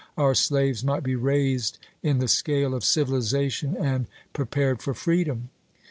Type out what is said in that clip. . our slaves might be raised in the scale of civilization and pre pared for freedom.